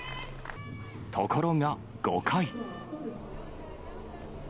ところが５回。